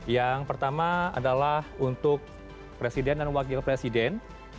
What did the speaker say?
yang pertama adalah untuk presiden dan wakil presiden